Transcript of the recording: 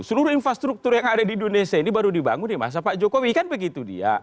seluruh infrastruktur yang ada di indonesia ini baru dibangun di masa pak jokowi kan begitu dia